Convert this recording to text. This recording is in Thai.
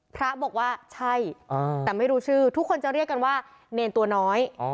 พระบอกว่าใช่แต่ไม่รู้ชื่อทุกคนจะเรียกกันว่าเนรตัวน้อย